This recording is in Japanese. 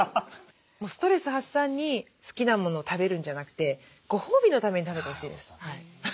ストレス発散に好きなものを食べるんじゃなくてご褒美のために食べてほしいです。